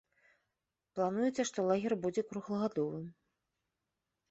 Плануецца, што лагер будзе круглагадовым.